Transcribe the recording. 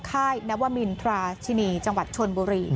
ค่ายนวมินทราชินีจังหวัดชนบุรี